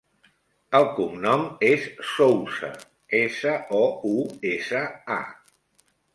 El cognom és Sousa: essa, o, u, essa, a.